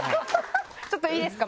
ちょっといいですか？